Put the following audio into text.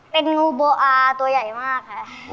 เป็นงูโบอาตัวใหญ่มากค่ะ